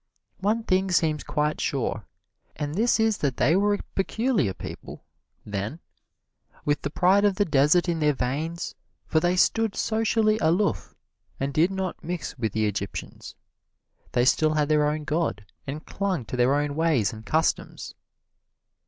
One thing seems quite sure, and that is that they were a peculiar people then, with the pride of the desert in their veins, for they stood socially aloof and did not mix with the Egyptians. They still had their own god and clung to their own ways and customs.